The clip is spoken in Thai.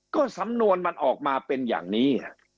ก็สำนวนมันออกมาเป็นอย่างนี้